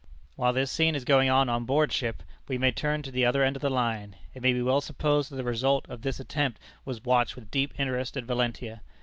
While this scene is going on on board ship, we may turn to the other end of the line. It may be well supposed that the result of this attempt was watched with deep interest at Valentia.